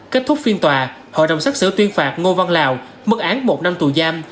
kết thúc phiên tòa hội đồng xác xử tuyên phạt ngô văn lào mức án một năm tù giam